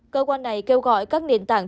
cơ quan này kêu gọi các nền tảng